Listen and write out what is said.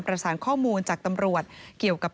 ประสานข้อมูลจากตำรวจเกี่ยวกับ